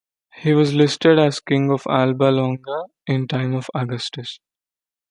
He was listed as king of Alba Longa in the time of Augustus.